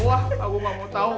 wah aku gak mau tahu